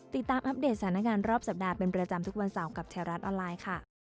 อัปเดตสถานการณ์รอบสัปดาห์เป็นประจำทุกวันเสาร์กับแถวรัฐออนไลน์ค่ะ